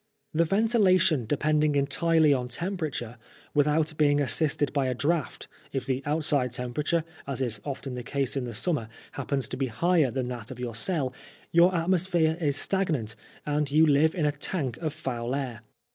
The ventilation depending entirely on tem perature, without being assisted by a draught, if the outside temperature, as is often the case in the summer, happens to be higher than that of your cell, your atmo sphere is stagnant, and you live in a tank of foul air